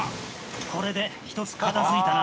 「これで１つ片付いたな」